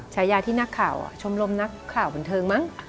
ฉายาที่นักข่าวชมรมนักข่าวบันเทิงมั้ง